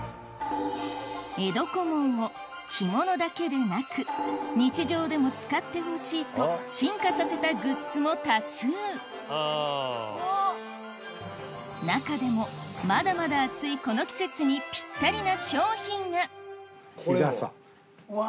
江戸小紋を着物だけでなく日常でも使ってほしいと進化させたグッズも多数中でもまだまだ暑いこの季節にピッタリな商品がうわ